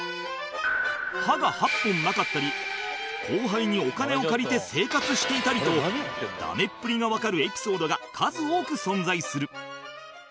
歯が８本なかったり後輩にお金を借りて生活していたりとダメっぷりがわかるエピソードが数多く存在する